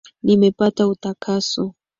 Nimepata utakaso